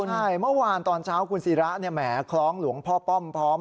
ใช่เมื่อวานตอนเช้าคุณศิระแหมคล้องหลวงพ่อป้อมพร้อม